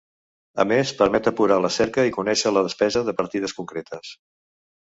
A més, permet apurar la cerca i conèixer la despesa de partides concretes.